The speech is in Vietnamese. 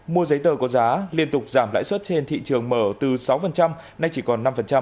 mua giấy tờ có giá liên tục giảm lãi suất trên thị trường mở từ sáu nay chỉ còn năm